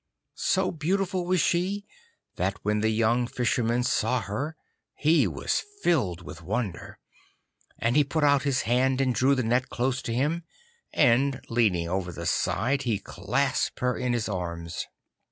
So beautiful was she that when the young Fisherman saw her he was filled with wonder, and he put out his hand and drew the net close to him, and leaning over the side he clasped her in his arms.